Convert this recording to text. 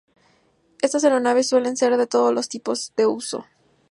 Estas aeronaves suelen ser de todos los tipos en uso.